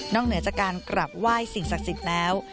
เหนือจากการกลับไหว้สิ่งศักดิ์สิทธิ์แล้ว